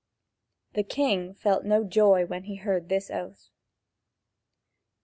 The king felt no joy when he heard this oath.